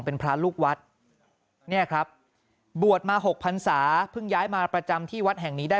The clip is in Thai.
เป็นพระลูกวัดเนี่ยครับบวชมา๖พันศาเพิ่งย้ายมาประจำที่วัดแห่งนี้ได้